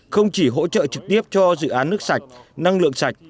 không chỉ hỗ trợ trực tiếp cho dự án nước sạch năng lượng sạch